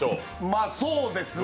まあそうですね